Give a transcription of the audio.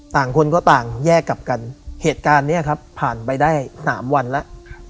คนก็ต่างแยกกลับกันเหตุการณ์นี้ครับผ่านไปได้สามวันแล้ว